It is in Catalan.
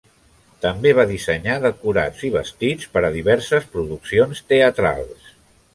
També va dissenyar decorats i vestits per a diverses produccions teatrals.